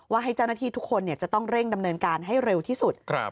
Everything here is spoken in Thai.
ให้เจ้าหน้าที่ทุกคนจะต้องเร่งดำเนินการให้เร็วที่สุด